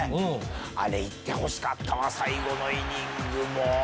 行ってほしかったわ最後のイニングも。